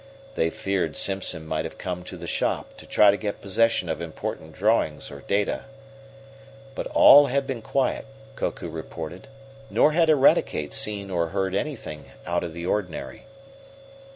They feared Simpson might have come to the shop to try to get possession of important drawings or data. But all had been quiet, Koku reported. Nor had Eradicate seen or heard anything out of the ordinary.